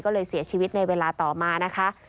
ก็เลยเสียชีวิตในเวลาต่อมานะคะ